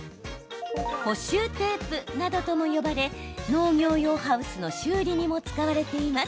補修テープなどとも呼ばれ農業用ハウスの修理にも使われています。